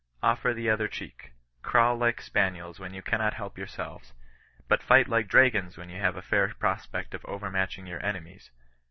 Offer the other cheek. Crawl like spaniels, when you cannot help yourselves ! But fight like dragons when you have a fair prospect of overmatching your enemies